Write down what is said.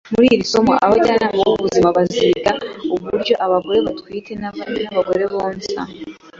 Muri iri somo abajyanama b ubuzima baziga uburyo abagore batwite n abagore bonsa